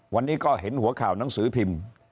วันนี้ก็เห็นหัวข่าวหนังสือพิมพ์